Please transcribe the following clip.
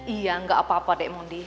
iya enggak apa apa dek mondi